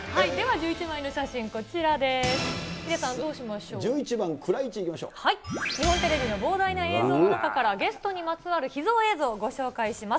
１１番、日本テレビの膨大な映像の中から、ゲストにまつわる秘蔵映像をご紹介します。